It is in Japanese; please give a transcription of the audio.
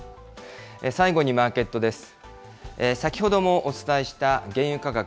最後にマーケットです。